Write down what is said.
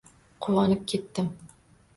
Quvonib ketdim.